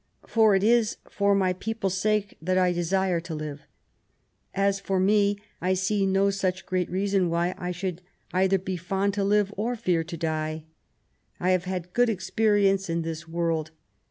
For it is for my people's sake that I desire to live. As for me, I see no such great reason why I should either be fond to live or fear to die. I have had good experience of this world.